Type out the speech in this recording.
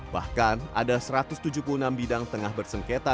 bahkan ada satu ratus tujuh puluh enam bidang tengah bersengketa